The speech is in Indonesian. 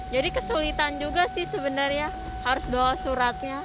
jadi kesulitan juga sih sebenarnya harus bawa suratnya